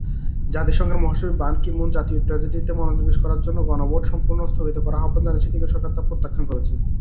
জাতিসংঘের মহাসচিব Ban Ki-moon "জাতীয় ট্র্যাজেডি"-তে মনোনিবেশ করার জন্য গণভোট সম্পূর্ণ স্থগিত করার আহ্বান জানিয়েছেন, কিন্তু সরকার তা প্রত্যাখ্যান করেছে।